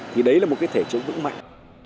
thì đấy là một cái thể chế vững mạnh